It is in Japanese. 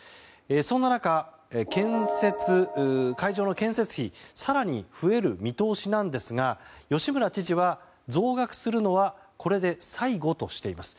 そんな中、会場の建設費更に増える見通しなんですが吉村知事は増額するのはこれで最後としています。